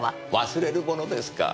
忘れるものですか。